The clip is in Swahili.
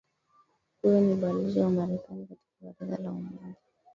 huyo ni balozi wa marekani katika baraza la umoja